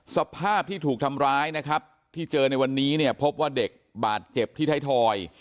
สภาพที่ถูกทำร้ายนะครับที่เจอในวันนี้เนี่ยพบว่าเด็กบาดเจ็บที่ไทยทอย